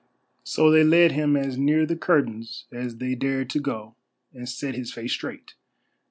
So they led him as near the curtains as they dared to go and set his face straight.